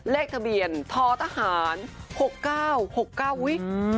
เลขทะเบียนทอทหารหกเก้าหกเก้าอุ๊ย